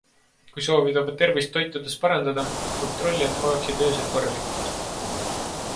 Kui soovid oma tervist toitudes parandada, kontrolli, et magaksid öösel korralikult.